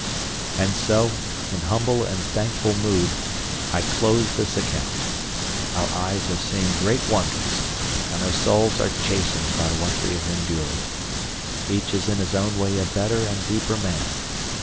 And so, in humble and thankful mood, I close this account. Our eyes have seen great wonders and our souls are chastened by what we have endured. Each is in his own way a better and deeper man.